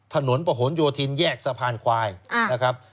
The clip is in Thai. ถนนประหลโยธินแยกสะพานควายนะครับ